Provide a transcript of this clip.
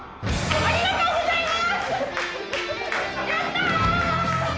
ありがとうございます！